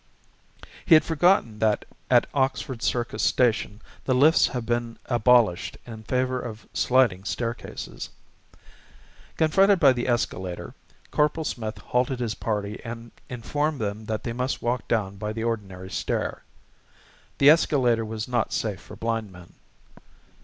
He had forgotten that at Oxford Circus station the lifts have been abolished in favour of sliding staircases. Confronted by the escalator, Corporal Smith halted his party and informed them that they must walk down by the ordinary stair. The escalator was not safe for blind men.